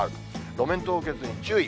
路面凍結に注意。